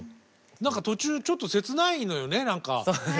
何か途中ちょっと切ないのよね